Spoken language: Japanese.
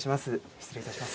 失礼いたします。